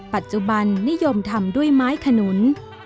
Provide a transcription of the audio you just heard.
ปัจจุบันนิยมทำด้วยไม้ขนุน